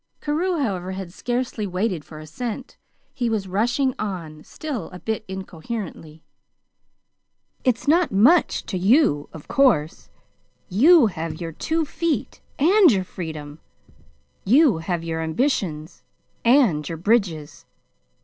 Carew, however, had scarcely waited for assent. He was rushing on, still a bit incoherently. "It's not much to you, of course. You have two feet and your freedom. You have your ambitions and your bridges.